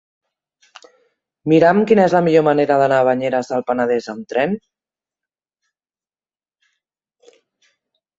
Mira'm quina és la millor manera d'anar a Banyeres del Penedès amb tren.